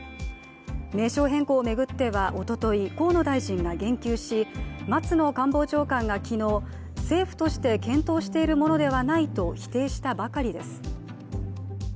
名称変更を巡っては、おととい、河野大臣が言及し、松野官房長官が昨日、政府として検討しているものではないと否定したばかりです。